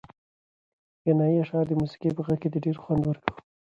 غنایي اشعار د موسیقۍ په غږ کې ډېر خوند ورکوي.